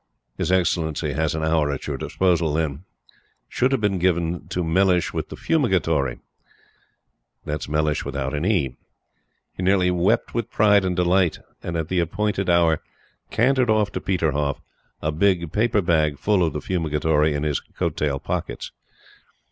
His Excellency has an hour at your disposal then," should be given to Mellish with the Fumigatory. He nearly wept with pride and delight, and at the appointed hour cantered off to Peterhoff, a big paper bag full of the Fumigatory in his coat tail pockets.